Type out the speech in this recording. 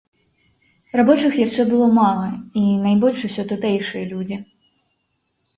Рабочых яшчэ было мала і найбольш усё тутэйшыя людзі.